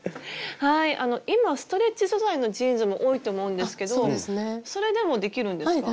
今ストレッチ素材のジーンズも多いと思うんですけどそれでもできるんですか？